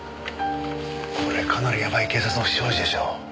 これかなりやばい警察の不祥事でしょ。